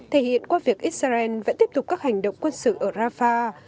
thể hiện qua việc israel vẫn tiếp tục các hành động quân sự ở rafah